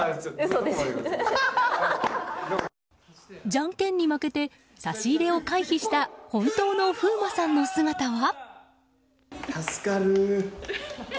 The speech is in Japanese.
じゃんけんに負けて差し入れを回避した本当の風磨さんの姿は。